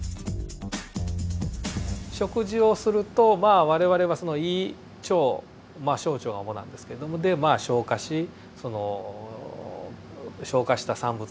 食事をするとまあ我々はその胃腸まあ小腸が主なんですけどもでまあ消化しその消化した産物をこう吸収する訳です。